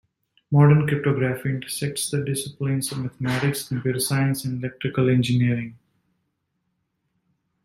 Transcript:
Modern cryptography intersects the disciplines of mathematics, computer science, and electrical engineering.